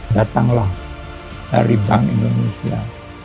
datanglah dari bank indonesia